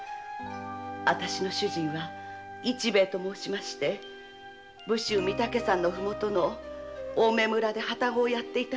主人は市兵衛と申しまして武州・御岳山の麓青梅村で旅籠をやっていました。